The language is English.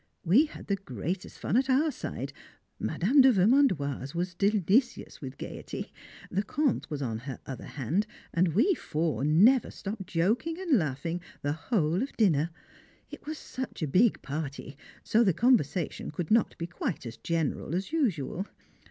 We had the greatest fun at our side, Mme. de Vermandoise was delicious with gaiety, the Comte was on her other hand, and we four never stopped joking and laughing the whole of dinner. It was such a big party, so the conversation could not be quite as general as usual.